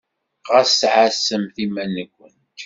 Ɣas ɛassemt iman-nkent.